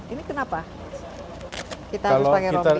ini kenapa kita harus pakai rompi